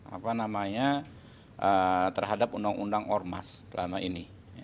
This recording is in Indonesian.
apa namanya terhadap undang undang ormas selama ini